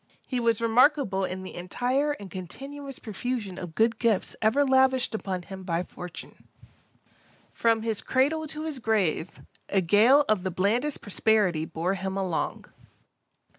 He was remarkable in the entire and continuous profusion of good gifts ever lavished upon him by fortune. From his cradle to his grave, a gale of the blandest prosperity bore him along.